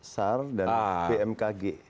sar dan bmkg